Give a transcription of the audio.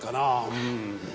うん。